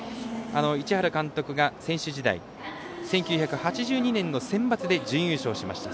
市原監督が選手時代１９８２年のセンバツで準優勝しました。